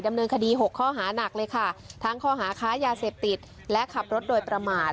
คดีหกข้อหานักเลยค่ะทั้งข้อหาค้ายาเสพติดและขับรถโดยประมาท